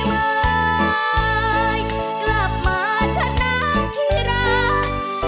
แต่วจากกลับมาท่าน้าที่รักอย่าช้านับสิสามเชย